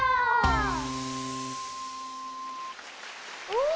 ・お！